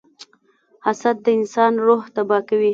• حسد د انسان روح تباه کوي.